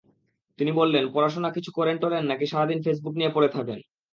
তিনি বললেন, পড়াশোনা কিছু করেন-টরেন নাকি সারা দিন ফেসবুক নিয়ে পড়ে থাকেন।